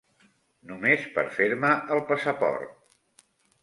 Només per fer-me el passaport.